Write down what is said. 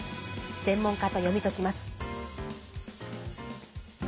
専門家と読み解きます。